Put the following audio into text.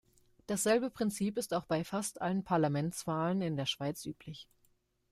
Dasselbe Prinzip ist auch bei fast allen Parlamentswahlen in der Schweiz üblich.